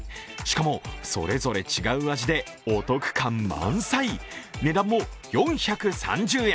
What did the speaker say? しかもそれぞれ違う味でお得感満載、値段も４３０円。